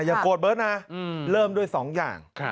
โกรธเบิร์ตนะเริ่มด้วย๒อย่าง